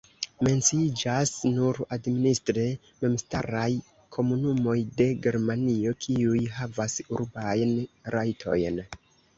Menciiĝas nur administre memstaraj komunumoj de Germanio, kiuj havas urbajn rajtojn.